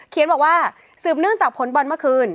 บอกว่าสืบเนื่องจากผลบอลเมื่อคืน